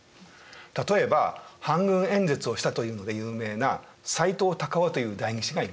例えば反軍演説をしたというので有名な斎藤隆夫という代議士がいました。